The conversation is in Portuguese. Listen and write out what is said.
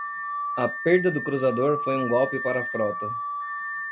A perda do cruzador foi um golpe para a frota.